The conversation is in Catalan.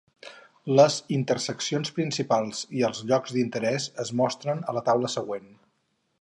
Les interseccions principals i els llocs d'interès es mostren a la taula següent.